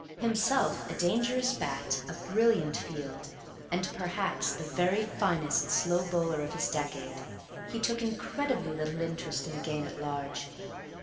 Himself a dangerous bat, a brilliant field, and perhaps the very finest slow bowler of his decade, he took incredibly little interest in the game at large.